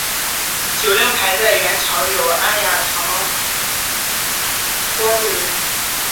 酒令牌在元朝有安雅堂觥律。